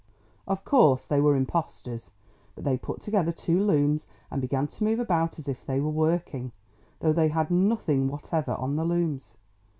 Of course they were impostors, but they put together two looms, and began to move about as if they were working, though they had nothing whatever on the looms.